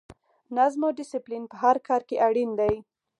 نظم او ډسپلین په هر کار کې اړین دی.